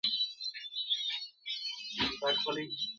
• غوجله لا هم خاموشه ده ډېر..